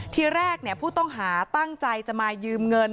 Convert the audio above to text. ทีแรกผู้ต้องหาตั้งใจจะมายืมเงิน